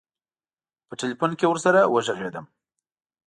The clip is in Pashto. په تیلفون کې ورسره وږغېدم.